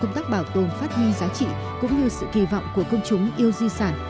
công tác bảo tồn phát huy giá trị cũng như sự kỳ vọng của công chúng yêu di sản